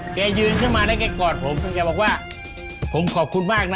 แกยืนขึ้นมาแล้วแกกอดผมแกบอกว่าผมขอบคุณมากนะ